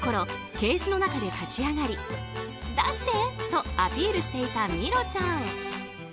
ケージの中で立ち上がり出して！とアピールしていたミロちゃん。